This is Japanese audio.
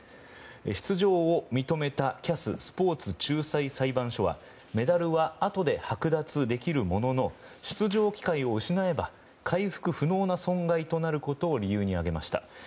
出場を認めたＣＡＳ・スポーツ仲裁裁判所はメダルはあとで剥奪できるものの出場機会を失えば回復不能な損害となることを理由に挙げました。